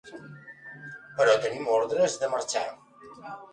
Però tenim ordres de marxar.